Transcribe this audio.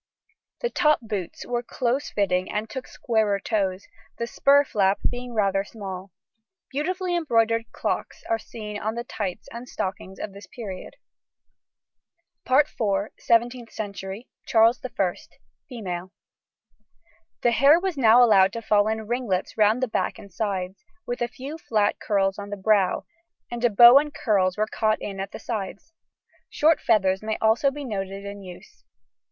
The top boots were close fitting and took squarer toes; the spur flap being rather small. Beautifully embroidered clocks are seen on the tights and stockings of this period. SEVENTEENTH CENTURY. CHARLES I. FEMALE. The hair was now allowed to fall in ringlets round the back and sides, with a few flat curls on the brow, and a bow and pearls were caught in at the sides. Short feathers may also be noted in use.